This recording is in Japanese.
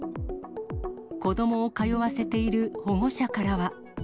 子どもを通わせている保護者からは。